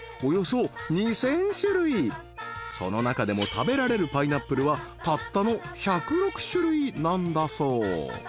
［その中でも食べられるパイナップルはたったの１０６種類なんだそう］